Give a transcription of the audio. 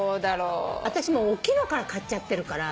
私もうおっきいのから買っちゃってるから。